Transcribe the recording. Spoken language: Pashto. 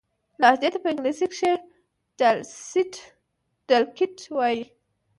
لهجې ته په انګلیسي کښي Dialect وایي.